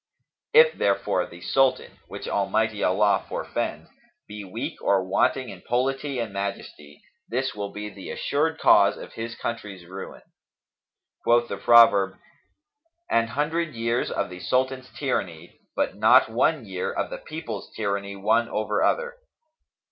If, therefore, the Sultan (which Almighty Allah forfend!) be weak or wanting in polity and majesty, this will be the assured cause of his country's ruin. Quoth the proverb, 'An hundred years of the Sultan's tyranny, but not one year of the people's tyranny one over other.'